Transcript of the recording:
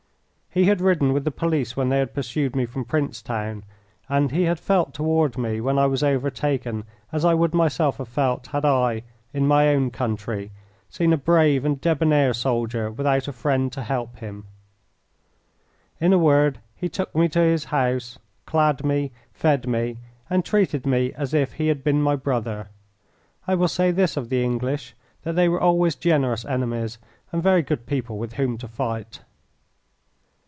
He had ridden with the police when they had pursued me from Princetown, and he had felt toward me when I was overtaken as I would myself have felt had I, in my own country, seen a brave and debonair soldier without a friend to help him. In a word, he took me to his house, clad me, fed me, and treated me as if he had been my brother. I will say this of the English, that they were always generous enemies, and very good people with whom to fight.